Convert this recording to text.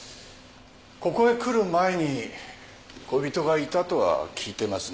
ここへ来る前に恋人がいたとは聞いてますね。